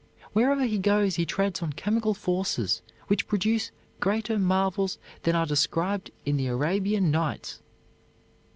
Wherever he goes he treads on chemical forces which produce greater marvels than are described in the Arabian Nights.